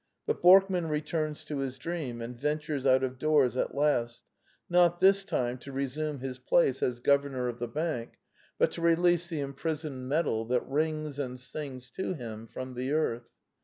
But Bork man returns to his dream, and ventures out of doors at last, not this time to resume his place The Four Last Plays 167 as governor of the bank, but to release the im prisoned metal that rings and sings to him from the earth.